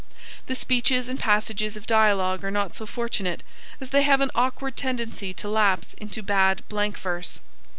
The speeches and passages of dialogue are not so fortunate, as they have an awkward tendency to lapse into bad blank verse.